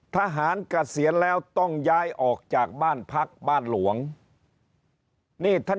ทหารกระเสียรแล้วต้องย้ายออกจากบ้านพลักษณ์บ้านหลวงนี่ท่าน